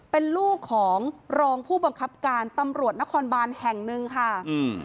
เป็นลูกของรองผู้บังคับการตำรวจนครบานแห่งหนึ่งค่ะอืม